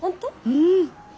うん！